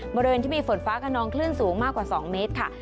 บริเวณที่มีฝนฟ้าขนองคลื่นสูงมากกว่า๒เมตรค่ะ